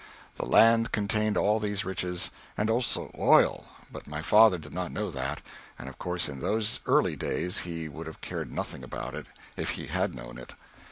The land contained all these riches; and also oil, but my father did not know that, and of course in those early days he would have cared nothing about it if he had known it.